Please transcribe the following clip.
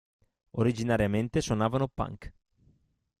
Originariamente suonavano punk.